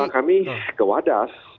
kami ke wadas